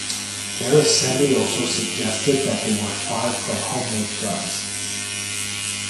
Their assembly also suggested that they were fired from home-made guns.